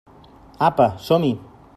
Apa, som-hi!